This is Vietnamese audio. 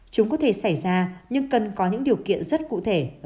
chúng có thể xảy ra nhưng cần có những điều kiện rất cụ thể